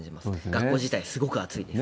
学校自体、すごく暑いです。